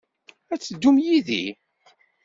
Ad teddum yid-i?